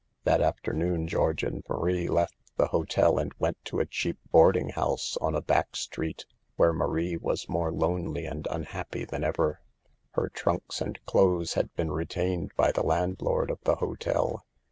That afternoon George and Marie left the hotel and went to a cheap boarding house on a back street, where Marie was more lonely and unhappy than ever. Her trunks and clothes had been retained by the landlord of the hotel.